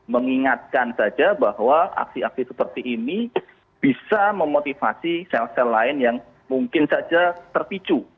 mengingatkan saja bahwa aksi aksi seperti ini bisa memotivasi sel sel lain yang mungkin saja terpicu